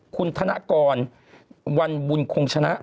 คุณธนกรวลวุณคุงชนะ